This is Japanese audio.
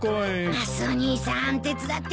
マスオ兄さん手伝ってくれる？